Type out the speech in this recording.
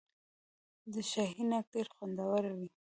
د شاهي ناک ډیر خوندور وي.